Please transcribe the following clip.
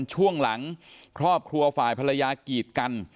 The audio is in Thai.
ช่วงหลังครอบครัวฝ่ายภรรยากีดกัน